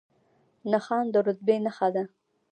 نښان د رتبې نښه ده